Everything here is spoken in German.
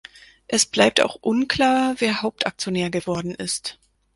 Es bleibt auch unklar, wer Hauptaktionär geworden ist.